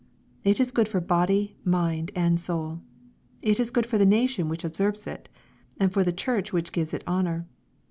It is good for body, mind and soul. It is good for the nation which observes it, and for the church which gives it honor.